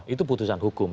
itu putusan hukum